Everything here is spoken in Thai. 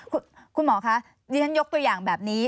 ค่ะคุณหมอคะถ้าท่านยกตัวอย่างแบบนี้